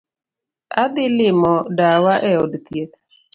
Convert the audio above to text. Adhii limo dawa e od thieth